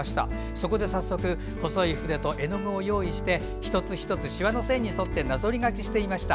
そこで早速細い筆と絵の具を用意して一つ一つ、しわの線に沿ってなぞり描きをしてみました。